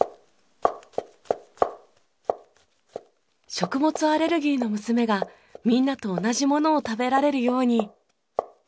食物アレルギーの娘がみんなと同じものを食べられるように。